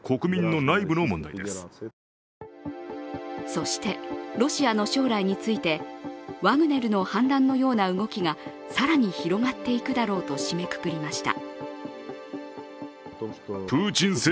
そしてロシアの将来についてワグネルの反乱のような動きが更に広がっていくだろうと締めくくりました。